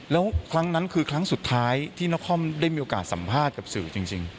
แล้วครั้งนั้นคือครั้งสุดท้ายที่นครได้มีโอกาสสัมภาษณ์กับสื่อจริง